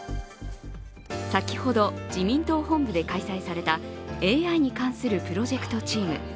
先ほど自民党本部で開催されたＡＩに関するプロジェクトチーム。